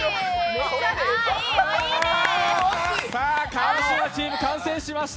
川島チーム、完成しました。